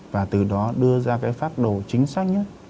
và từ đó đưa ra cái phát đồ chính xác nhất